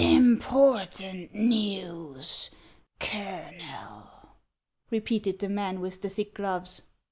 " Important news, Colonel !" repeated the man with the thick gloves.